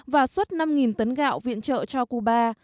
và xuất năm tấn gạo viện trợ cho cuba